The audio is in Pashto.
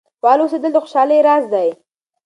فعال اوسیدل د خوشحالۍ راز دی.